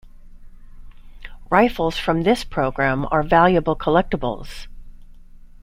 Rifles from this program are valuable collectibles.